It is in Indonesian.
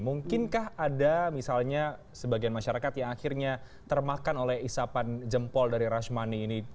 mungkinkah ada misalnya sebagian masyarakat yang akhirnya termakan oleh isapan jempol dari rashmani ini